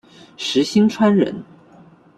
石星川人。